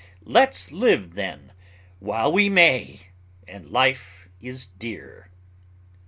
Let's live then while we may and life is dear."